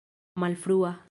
malfrua